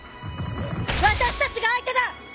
私たちが相手だ！